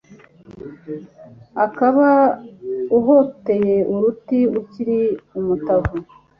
Ukaba uhotoye uruti Ukiri umutavu,